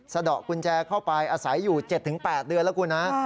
สะดอกกุญแจเข้าไปอาศัยอยู่๗๘เดือนแล้วคุณฮะ